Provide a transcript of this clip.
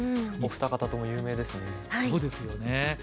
お二方とも有名ですね。